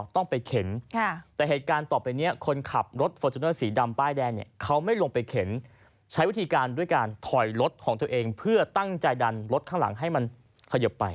แต่รถของตัวเองเพื่อตั้งใจดันรถข้างหลังให้มันขยบไป